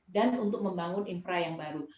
dan untuk membangun infra yang baru